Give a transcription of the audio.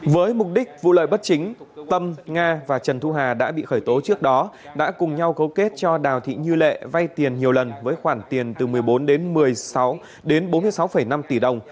với mục đích vụ lợi bất chính tâm nga và trần thu hà đã bị khởi tố trước đó đã cùng nhau cấu kết cho đào thị như lệ vay tiền nhiều lần với khoản tiền từ một mươi bốn bốn mươi sáu năm tỷ đồng